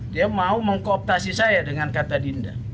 dia mau mengkooptasi saya dengan kata dinda